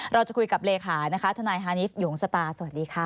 เราจะคุยกับเลขาทนายฮานิฟหยุงสตาร์สวัสดีค่ะ